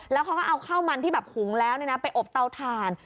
แล้วเขาก็เอาข้าวมันที่แบบหุงแล้วไปอบเตาถ่าน